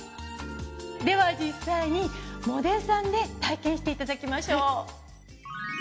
では実際にモデルさんで体験していただきましょう。